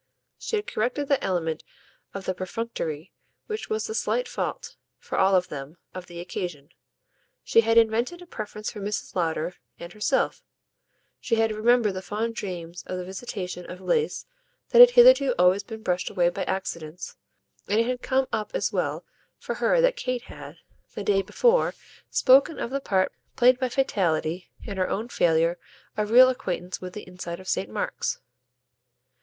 She had corrected that element of the perfunctory which was the slight fault, for all of them, of the occasion; she had invented a preference for Mrs. Lowder and herself; she had remembered the fond dreams of the visitation of lace that had hitherto always been brushed away by accidents, and it had come up as well for her that Kate had, the day before, spoken of the part played by fatality in her own failure of real acquaintance with the inside of Saint Mark's.